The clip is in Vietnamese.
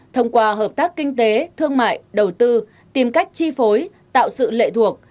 thông qua hợp tác kinh tế thương mại đầu tư tìm cách chi phối tạo sự lệ thuộc